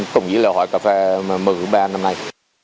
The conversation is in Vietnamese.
cùng với lễ hội cà phê mở cửa ba năm nay